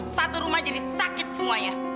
satu rumah jadi sakit semuanya